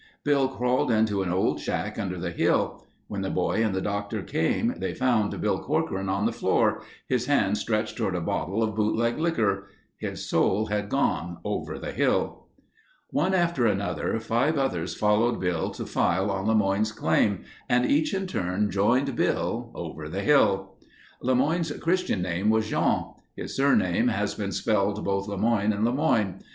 Bill crawled into an old shack under the hill. When the boy and the doctor came, they found Bill Corcoran on the floor, his hand stretched toward a bottle of bootleg liquor. His soul had gone over the hill. One after another, five others followed Bill to file on LeMoyne's claim and each in turn joined Bill over the hill. LeMoyne's Christian name was Jean. His surname has been spelled both Lemoigne and Lemoine.